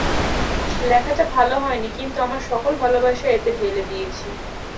লেখাটা ভাল হয়নি, কিন্তু আমার সকল ভালবাসা এতে ঢেলে দিয়েছি।